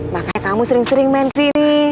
makanya kamu sering sering main sini